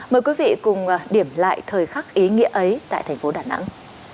mời quý vị cùng điểm lại thời khắc ý nghĩa ấy tại thành phố đà nẵng